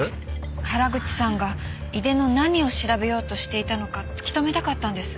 原口さんが井出の何を調べようとしていたのか突き止めたかったんです。